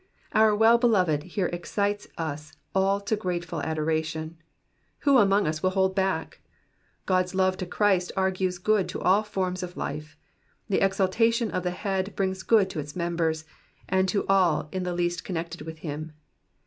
Our Well Beloved here excites us all to grateful adoration : who among us will hold back ? God's love to Christ argues good to all forms of life ; the exaltation of the Head brings good to the members, and to all in the least connected with him.